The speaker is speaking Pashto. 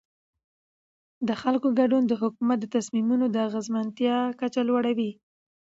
د خلکو ګډون د حکومت د تصمیمونو د اغیزمنتیا کچه لوړوي